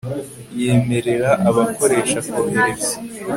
Yemerera abakoresha kohereza